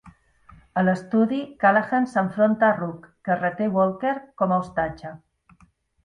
A l'estudi, Callahan s'enfronta a Rook, que reté Walker com a hostatge.